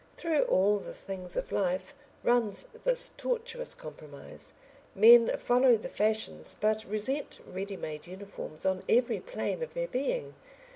Through all the things of life runs this tortuous compromise, men follow the fashions but resent ready made uniforms on every plane of their being.